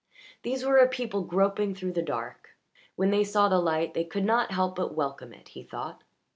These were a people groping through the dark; when they saw the light they could not help but welcome it, he thought.